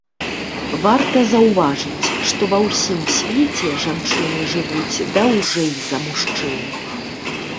Варта заўважыць, што ва ўсім свеце жанчыны жывуць даўжэй за мужчын.